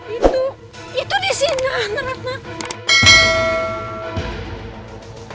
itu itu disini anak ratna